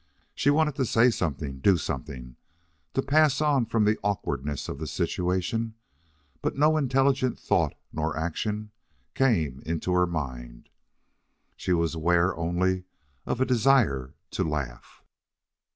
She wanted to say something, do something, to pass on from the awkwardness of the situation, but no intelligent thought nor action came into her mind. She was aware only of a desire to laugh.